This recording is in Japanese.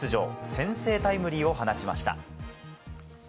先制タイムリーを放ちました。